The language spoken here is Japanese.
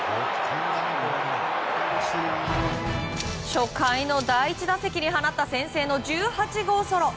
初回の第１打席に放った先制の１８号ソロ。